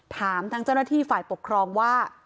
ถามทางเจ้าหน้าที่ฝ่ายปกครองว่า